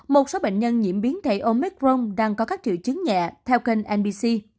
một số bệnh nhân nhiễm biến thể omicron đang có các triệu chứng nhẹ theo kênh nbc